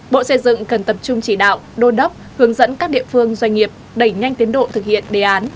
bộ xây dựng cần tập trung chỉ đạo đô đốc hướng dẫn các địa phương doanh nghiệp đẩy nhanh tiến độ thực hiện đề án